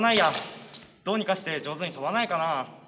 どうにかして上手に飛ばないかな？